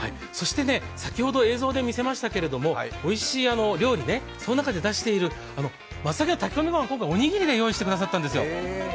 先ほど、映像で見せましたけどおいしい料理、その中で出しているまつたけの炊き込みごはん、今回、おにぎりで用意してくださったんですよ。